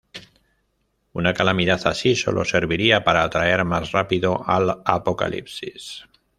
Una calamidad así solo serviría para atraer más rápido al Apocalipsis.